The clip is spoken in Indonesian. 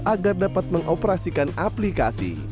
agar dapat mengoperasikan aplikasi